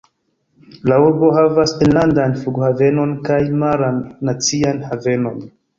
La urbo havas enlandan flughavenon kaj maran nacian havenon.